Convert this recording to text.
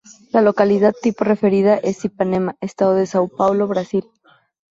La localidad tipo referida es: "Ipanema, estado de São Paulo, Brasil".